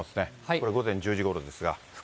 これ、午前１０時ごろですが。